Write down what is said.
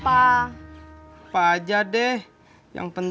rika mau ke rumah temen